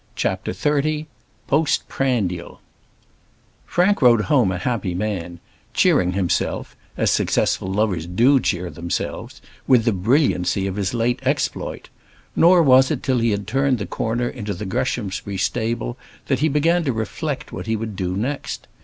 CHAPTER XXX Post Prandial Frank rode home a happy man, cheering himself, as successful lovers do cheer themselves, with the brilliancy of his late exploit: nor was it till he had turned the corner into the Greshamsbury stables that he began to reflect what he would do next.